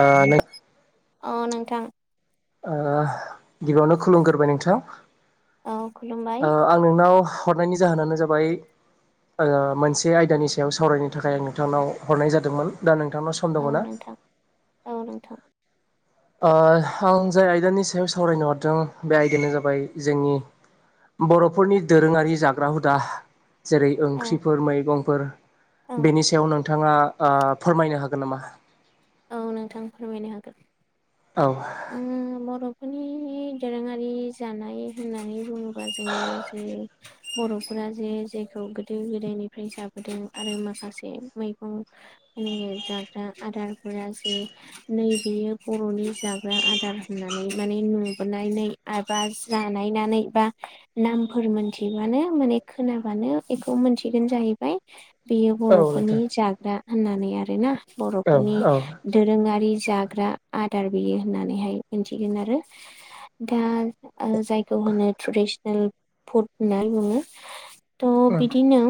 आ नों अ नोंथां ओ गिबियावनो खुलुमग्रोबाय नोंथां औ खुलुमबाय ओ आं नोंनाव हरनायनि जाहोनानो जाबाय ओ मोनसे आयदानि सायाव सावरायनो थाखाय आं नोंथांनाव हरनाय जादोंमोन दा नों थाङा सम औ दङना नोंथां औ नोंथां ओ आं जाय आयदानि सायाव सावरायनो हरदों बे आयदायानो जाबाय जोंनि बर'फोरनि दोरोङारि जाग्रा हुदा जेरै औ ओंख्रिफोर मैगं फोर औ बेनि सायाव नोंथाङा आ फोरमायनो हागोन नामा औ नोंथां फोरमायनो हागोन औ ओ बरफोरनि दोरोङारि जानाय होननानै बुङोबा जोङो जे बर'फोरा जे जेखौ गोदो गोदायनिफ्राय जाबोदों आरो माखासे मैगं माने जाग्रा आदारफोरा जे नै बेयो बर'नि जाग्रा ग्रा आदार होनानै माने नुबोनानै बा जानायनानै बा नामफोर मोनथिबानो माने खोनाबानो बेखौ मोनथिगोन जाहैबाय बेयो औ बर'फोरनि नोंथां जाग्रा होननानै आरोना औ बर'फोरनि औ दोरोङारि। जाग्रा आदार बियो होननानैहाय मिथिगोन आरो दा ओ जायखौ होनो ट्रेडिसनेल फुड होननानै बुङो। थ' बिदिनो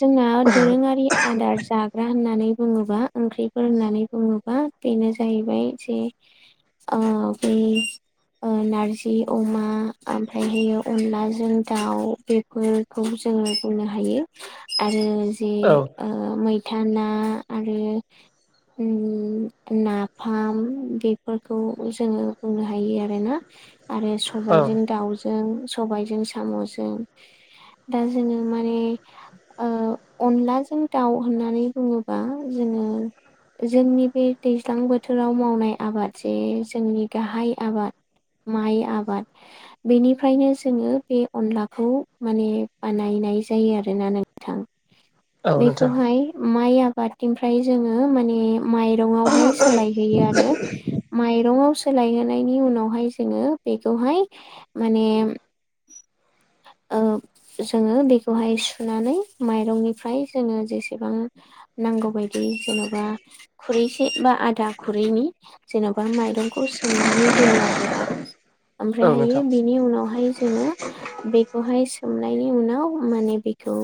जोंना दोरोङारि आदार जाग्रा होननानै बुङोबा ओंख्रिफोर होननानै बुङोबा बेनो जाहै बाय ज आ बे [unintelligible] ओ नारजि अमा ओमफ्राय अनलाजों दाउ बेफोरखौ जों जोङो बुंनो हायो आरो जि औ ओ मैथा ना आरो उम ना फाम बेफोरखौ जोङो बुंनो हायो आरो ना आरो औ सबायाइजों दाउजों सबायाइजों साम'जों दा जोङो माने ओ अनलाजों दाउ होननानै बुङोबा जों ओ जोंनि बे दैज्लां बोथोर बोराव मावनाय आबाद जे जोंनि गाहाय आबाद माइ आबाद बेनिफ्रायनो जोङो बे अनलाखौ माने बानाय बनाय जायो आरोना नोंथां। औ नोंथां बेखौहाय माइ आबादनिफ्राय जोङो माने माइरङावहाय सोलाय होयो आरो मायरङाव सोलायहोनायनि उनावहाय जोङो बेखौहाय माने ओ जोङो बेखौहाय सुनानै माइरंनिफ्राय जोङो जेसेबां नांगौ बायदि जेन'बा खुरैसे बा आ दा खुरैनि जेन'बा माइरंखौ सोमनानै दोनो आरोना औ ओमफ्रायहायो नोंथां बेनि उनावहाय जोङो बेखौहाय सोमनायनि उनाव बेखौ माने बेखौ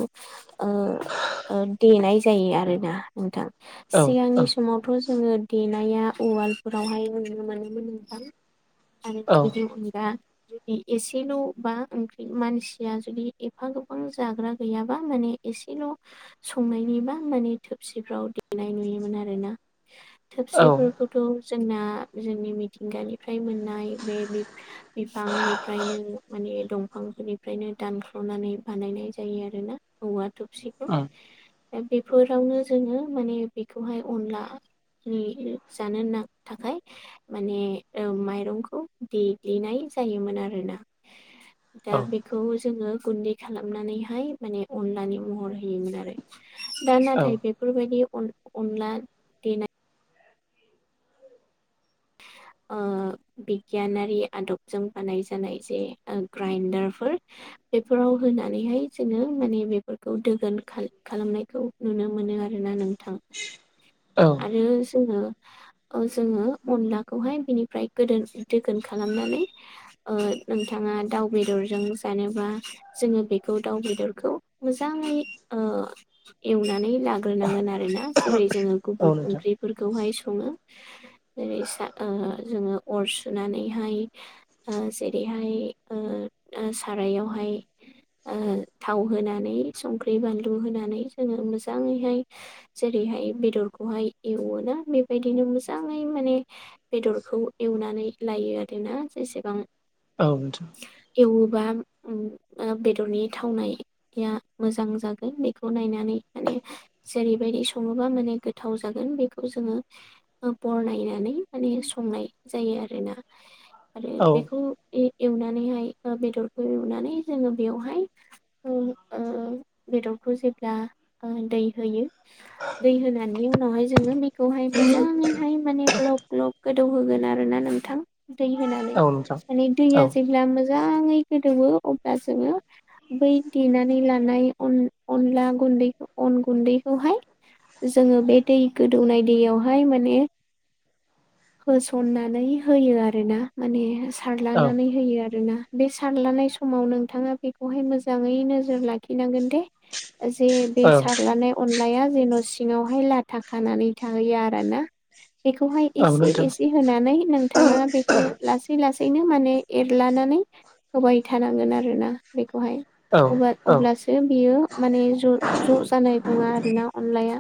ओओ देनाय जायो आरोना नोंथां औ सिगांनि औ समावथ' जोङो देनाया उवालफोरावहाय नुनो मोनोमोन नोंथां आरो औ बेनिअनगा जुदि एसेल' बा ओंख्रि मानसिया जुदि एफा गोबां जाग्रा गैयाबा माने एसेल' संनायनिबा माने थोरसिफ्राव देनाय नुयोमोन आरोना औ उम थोफसिफोरखौथ' जोंना जोंनि मिथिंगानिफ्राय मोननाय बे बिफांनिफ्रायनो दंफांफोरनिफ्रायनो दानख्ल'नानै बानायनाय जायो आरो ना औवा थबसिखौ बेफोरावनो जोङो माने बेखौहाय अनला जानो न- थाखाय माने ओ- माइरंखौ देग्लिनाय जायोमोन आरोना दा- औ बेखौ जोङो गुन्दै खालामनानैहाय माने अनलानि महर होयोमोन आरो। दा- औ नाथाय बेफोरबायदि अन- अनला दे ओ- बिगियानारि आदबजों बानायजानाय जे ग्राइन्डारफोर बेफोराव होनानैहाय जोङो माने बेफोरखौ दोगोन खा खालामनायखौ नुनो मोनो आरैना नोंथां औ आरो जो ओ- जोङो अला खौहाय बिनिफ्राय गोदोन- दोगोन खालामनानै ओ नोंथाङा दाउ बेदरजों गानोबा जोङो बेखौ दाउ बेदरखौ मोजाङै ओ एवनानै जाग्रोनांगोन आरोना जेरै जोङो गुबुर औ नोंथां ओंख्रिफोरखौहाय सङो जेरै आ जोङो अर सुनानैहाय ओ जेरैहाय ओ ओ सारायावहाय [inaudible] ओं थाव होनानै संख्रि बानलु होनानै जोङो मोजाङैहाय जेरैहाय हाय- बेदरखौहाय एवोना बेबायदिनो मोजाङै माने बेदरखौ एवनानै लायो आरोना जेसेबां औे बाम उम ओ बेदरनि थावनाया मोजां जागोन बेखौ नायनानै माने जेरै बेबायदि सङोबा माने गोथाव जागोन बेखौ जोङो बरनायनानै माने संनाय जायो आरोना आरो औ बेखौ एवनानैहाय ओ बेदरखौ एवनानै जोङो बेयावहाय ओ ओ बेदर बेखौ जेब्ला ओ दै होयो दै होननि उनावहाय जोङो बेखौहाय मोजां होनानै हाय मानि ग्लब ग्लब गोदौ होगोन आरोना नोंथां दै होनानै औ नोंथां माने औ दैया जेब्ला मोजाङै गोदौवो अब्ला जोङो बै देनानै लानाय अन अनला गुन्दै अन गुन्दैखौहाय जोङो बे दै गोदौनाय दैयावहाय माने होसननानै होयो आरो ना माने औ सारलानानै होयो। आरोना बे सारलानाय समाव नोंथाङा बेखौहाय मोजाङै नोजोर लाखिनांगोन दे। जे बे औ सारलानाय अनलाया जेन' सिङावहाय लाथा खानानै थाहैयो आरोना बेखौ औ एसे नोंथां एसे होनानै नोंथाङा बेखौ लासै लासै नो माने एरलानानै होबाय थानांगोन आरोना बे खौहाय औ अबा औ अब्लासो बियो माने ज' ज' जानाय नङा आरोना अनलाया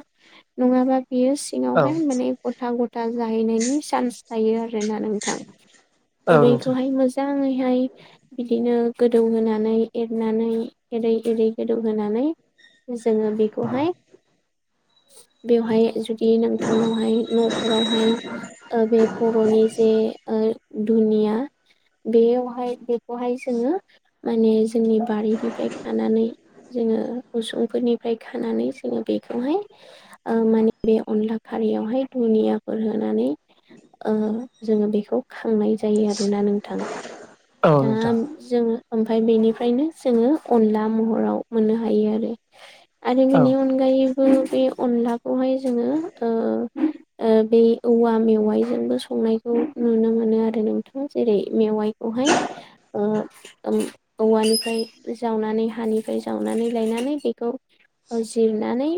नङाबा बियो औ सिङावहाय माने गथा गथा जाहैनायनि सान्स थायो आरोना नोंथां। नोंथां बेखौहाय मोजां मोजाङैहाय बिदिनो गोदौ होनानै एरनानै एरै एरै गोदौ होनानै जोङो बेखौहाय बेवहाय जुदि नोंथांनावहाय न'फोराव बेहाय ओ बे बर'नि जे ओ दुनिया बेयावहाय बेखौहाय जोङो माने जोंनि बारिनिफ्राय खानानै जोङो उसुंफोरनिफ्राय खानानै जोङो बेखौहाय ओ माने बे अनला हारियावहाय दुनिया फोरहोनानै ओ जोङो बेखौ खांनाय जायो आरोना नोंथां। औ दा नोंथां जोङो ओमफाय बेनिफ्रायनो जोङो अनला महराव मोननो हायो आरो आरो बेनि औ अनगायै बो बे अनलाखौहाय जोङो ओ ओ बे औवा मेवाइजोंबो संनायखौ नुनो मोनो आरो नोंथां जेरै मेवाइखौहाय ओ औ औवानिफ्राय जावनानै हानिफ्राय जावनानै लायनानै बेखौ जिरनानै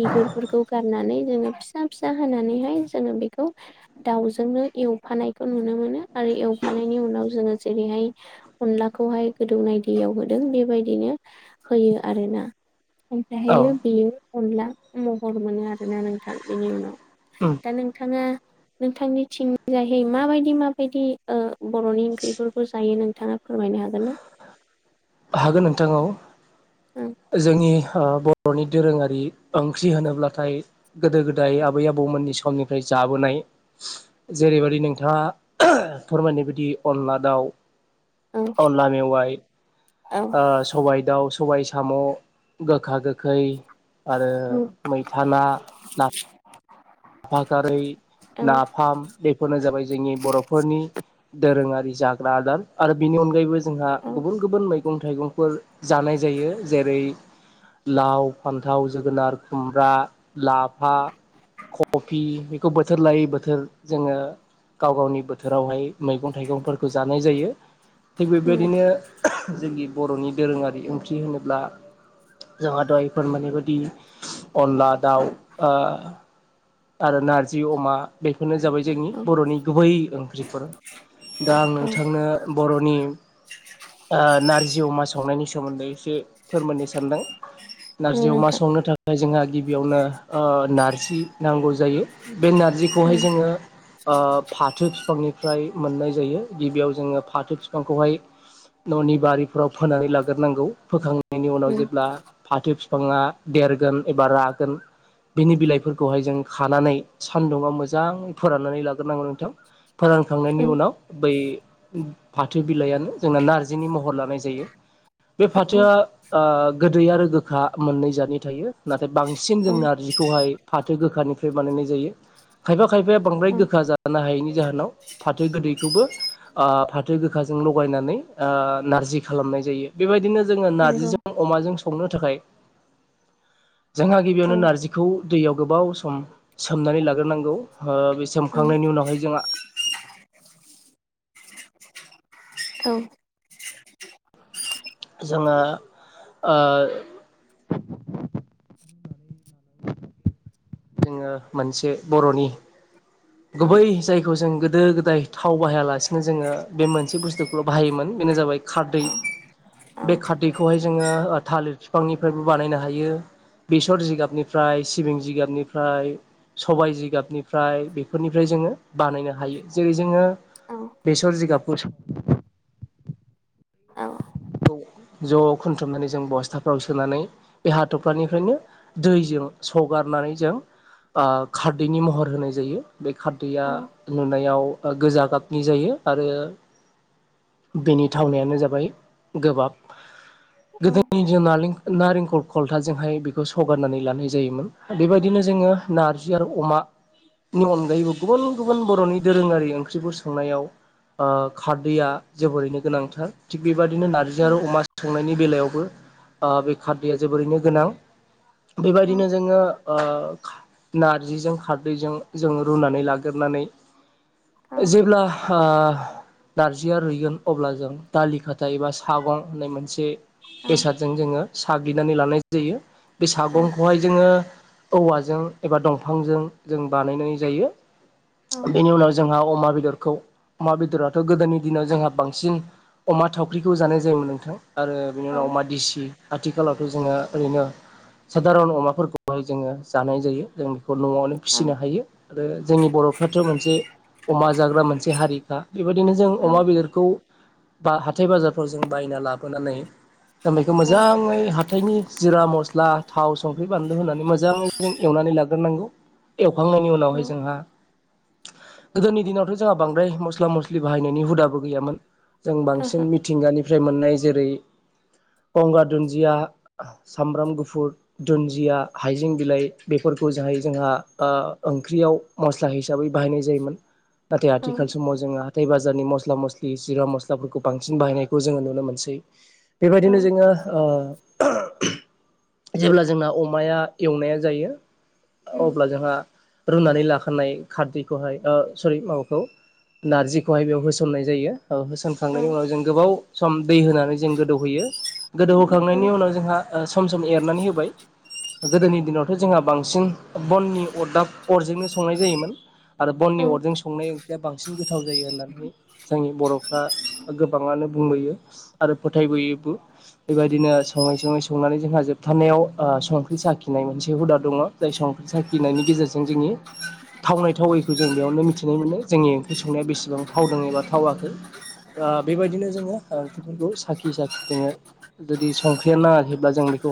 बिगुरफोरखौ गारनानै जोङो फिसा फिसा होनानैहाय जोङो बेखौ दाउजोंनो एवफानायखौ नुनो मोनो आरो एवफानायनि उनाव जोङो जेरैहाय अनलाखौहाय गोदौनाय दैयाव होदों बेबायदिनो होयो आरोना। औ ओमफ्रायहायो बेयो अनला महर मोनो आरोना नोंथां बेनि उनाव उम दा नोंथाङा नोंथांनि थिंनिजायहै माबायदि माबायदि बर'नि ओंख्रिफोरखौ जायो नोंथाङा फोरमाय मायनो हागोन ना? हागोन नोंथां औ जोंनि बर'नि दोरोङारि ओंख्रि होनोब्लाथाय गोदो गोदाय आबै आबौमोननि समनिफ्राय जा लाबोनाय जेरैबायाददि नोंथाङा फोरमायनाय बायदि अनला दाउ अनला मेवाइ औ सबाय दाउ स सबाय साम' गोखा गोखै आरो मैथा ना आफफा खारै औ नाफाम बेफोरनो जाबाय जोंनि बर'फोरनि दोरोङारि जाग्रा आदार आरो बिनि अनगायैबो जोंहा औ गुबुन गुबुन मै मैगं थाइगंफोर जानाय जायो। जेरै लाव फान्थाव जोगोनार खुमब्रा लाफा। कफि बेखौ बोथोर लायै बोथोर जोङो गाव गावनि बोथोरावहाय मैगं थाइगंफोरखौ जानाय जायो थिग उम बेबायदिनो जोंनि बर'नि दोरोङारि ओंख्रि होनोब्ला जोंहााथ'इफोर माने बायदि अनला दाउ। आरो नारजि अमा बे बे फोरनो जाबाय जोंनि औ बर'नि गुबै ओंख्रिफोर दा आं औ नोंथांनो बर'नि नारजि अमा सावनायनि सोमोन्दै एसे फोरमायनो सानदों। औ नारजि अमा नोंथां संनो थाखाय जोंहा गिबियावनो नारजि नांगौ जायो। बे औ नारजिखौहाय जोङो फाथो बिफांनिफ्राय मोननाय जायो गिबियाव जोङो फाथो बिफांखौहाय न'नि बारिफोराव फोनानै लाग्रोनांगौ फोखाङो नि उनाव उम जेब्ला फाथो बिफाङा देरगोन एबा रागोन बिनि बिलाइ खौहाय जों खानानै सानदुंङा मोजां फोराननानै लाग्रोनांगौ नोंथां। औ फोरानखांनायनि उनाव बै फाथो बिलाइानो जोंना नारजिनि महर लानाय जायो। बे औ फाथोआ गोदै आरो गोखा मोननै जानि थायो नाथाय बांसिन औ जों नारजिखौहाय फाथो गोखानिफ्राय बानायनाय जायो खायफा खायफाया बांद्राय औ गोखा जानो हायैनि जाहोनाव फाथो गोदैखौबो फाथो गोखाजों लगायनानै नारजि खालामनाय जायो बेबायदिनो जोङो नंगौ नारजिजों अमाजों संनो थाखाय जोंहा औ गिबियावनो नारजिखौ दैयाव गोबाव सम सोमनानै लाग्रोनांगौ। बे औ सोमखांनायनि उनावहाय जोंहा औ जोङो ओ जोङो मोनसे बर'नि औ गुबै जायखौ जों दो गोदाय थाव बाहायालासिनो जोङो बे मोनसे बुस्थुखौल' बाहायोमोन बेनो जाबाय खारदै औ औ बे खारदैखौहाय जोङो थालिर बिफांनिफ्रायबो बानायनो हायो। बेसर जिगाबनिफ्राय सिबिं जिगाबनिफ्राय सबाय जिगाबनिफ्राय बे फोरनिफ्राय जोङो बानायनो हायो जेरै जोङो औ बेसर जिगाब [unintelligible] औ ज' खुथुमनानै जों बस्थाफ्राव सोनानै बे हाथरफनिफ्रायनो दैजों सग बारनानै जों खारदैनि महर होनाय जायो बे खारदैया औ नुनायाव गोजा गाबनि जायो आरो। बेनि थावनायानो जाबाय गोबाब। औ गोबाब मेजेमारि नारेंखौ खलथाजोंहाय बेखौ सगारनानै लानाय जायोमोन बेबायदिनो जोङो नारजि आरो अमा नि अनगायैबो गुबुन गुबुन बर'नि दोरोङारि ओंख्रिफोर संनायाव खारदैया जोबोरैनो गोनांथार थिग बेबायदिनो नारजि आरो अमा संनायनि बेलायावबो बे खारदैया जोबोरैनो गोनां। बेबायदिनो जोङो नारजिजों खारदैजों जों रुनानै लाग्रनानै जेब्ला नारजिया रुइगोन अब्ला जों दालि खाथि सागं होननाय मोनसे बेसादजों जोङो साग्लिनानै लानाय जायो। बे सागंखौहाय जोङो औवाजों एबा दंफांजों जों बानायनाय जायो। बेनि उनाव जोंहा अमा बेदरखौ अमा बेदराथ' गोदोनि दिनाव जोंहा बांसिन अमा थावख्रिखौ जानाय जायोमोन नोंथां आरो बिनि उनाव अमा देसि आथिखालावथ' जोङो ओरैनो सादारन अमाफोरखौहाय जोङो जानाय जायो जों बेखौ न'आवनो फिसिनो हायो आरो जोंनि बर'फ्राथ' मोनसे अमा जाग्रा मोनसे हारिखा, बेबायदिनो औ जों ओहो औ अमा बेदरखौ बा हाथाय बाजार फोराव जों बायना लाबोनानै दा बेखौ उम मोजाङै हाथाइनि जिरा, मस्ला, थाव, संख्रि, बानलु होनानै मोजाङै जों एवनानै लाग्रोनांगौ। एवखांनायनि औ उनावहाय जोंहा गोदोनि दिनावथ' जोंहा बांद्राय मस्ला मस्लि बाहायनायनि हुदाबो गैयामोन। जों औ बांसिन मिथिंगानिफ्राय मोननाय जेरै गंगार दुन्दिया, सामब्राम गुफुर, दुन्दिया, हाइजें बिलाइ बेफोर खौ जोंहा ओंख्रियाव मस्ला हिसाबै बाहायनाय जायोमोन। नाथाय आथिखाल समाव जोङो हाथाय बाजारनि मस्ला मस्लि जिरा मस्लाफोरखौ बां सिन बाहायनायखौ जोङो नुनो मोनसै, बेबायदिनो जोङो ओ जेब्ला जोंना अमाया एवनाया जायो अब्ला जोंहा रुनानै लाखानाय खारदैखौहाय ओ सरि माबाखौ नारजिखौहाय बेयाव होसननाय जायो, ओ होसनखांनायनि उनाव जों गोबाव सम दै होनानै जों गोदौहोयो। गोदौहोखांनायनि उनाव जोंहा सम सम एरनानै होबाय। गोदोनि दिनावथ' जोंहा बांसिन बननि अरदाब अरजोंनो संनाय जायोमोन आरो बननि अरजों संनाय ओंख्रिया बांसिन गोथाव जायो होननानै जोंनि बर'फ्रा गोबाङानो बुंबोयो आरो फोथायबोयोबो बेबायदिनो सङै सङै संनानै जोंहा जोब थारनायाव संख्रि साखिनाय मोनसे हुदा दङ जाय संख्रि साखिनायनि गेजेरजों जोंनि थावनाय थावैखौ जों बेयावनो मिथिनो मोनो जोंनि ओंख्रि संनाया बेसेबां थावदों एबा थावाखै। दा बेबायदिनो जोङो ओ ओंख्रिफोरखौ साखि साखि जोङो जुदि संख्रियानो नाङाखैब्ला जों बेखौ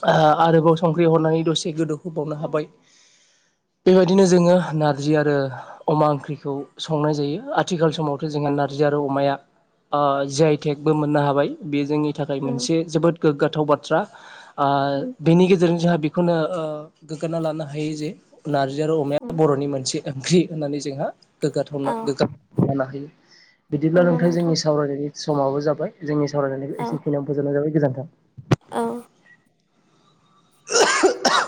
[unintelligible] आरोबाव संख्रि हरनानै दसे गोदौहोबावनो औ हाबाय। बेबायदिनो जोङो नारजि आरो अमा ओंख्रिखौ संनाय जायो। आथिखाल समावथ' जोंहा नार जि आरो अमाया जि आइ टेकबो मोननो हाबाय बे जोंनि थाखाय औ मोनसे जोबोद गोग्गाथाव बाथ्रा। ओ औ बेनि गेजेरजों जोंहा बेखौनो ओ गोगाना लानो हायो जे नारजि आरो अमाया बर'नि मोनसे ओंख्रि होननानै जोंहा गोग्गाथावना गोग्गानो हायो। बिदिब्ला नोंथां जोंनि सावरायनायनि समाबो जाबाय। जोंनि सावरायनायखौ औ एसेखिनियाव फोजोबनाय जाबाय, गोजोन्थों। औ [unintelligible]